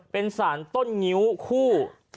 เป็นสารต้นงิ้วคู่